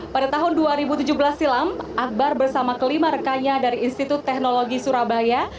pada tahun dua ribu tujuh belas silam akbar bersama kelima rekannya dari institut teknologi surabaya